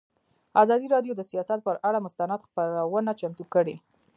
ازادي راډیو د سیاست پر اړه مستند خپرونه چمتو کړې.